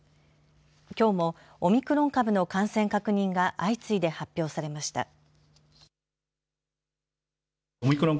きょうもオミクロン株の感染確認が相次いで発表されました。